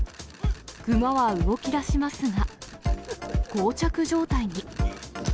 熊は動き出しますが、こう着状態に。